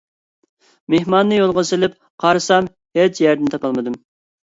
مېھماننى يولغا سېلىپ قارىسام ھېچ يەردىن تاپالمىدىم.